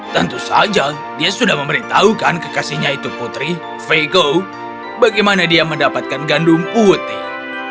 tentu saja dia sudah memberitahukan kekasihnya itu putri vego bagaimana dia mendapatkan gandum putih